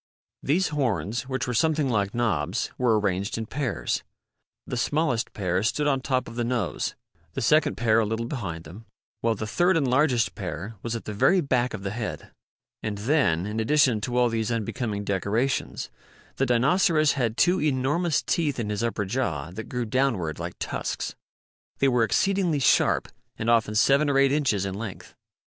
These horns, which were something like knobs, were arranged in pairs. The smallest pair stood on top of the nose, the second pair a little behind them, while the third and largest pair was at the very back of the head. And then, in addition to all these unbecoming decorations, the Dinoceras had two enormous teeth in his upper jaw that grew downward like tusks. They were exceedingly sharp and often seven or eight inches in length.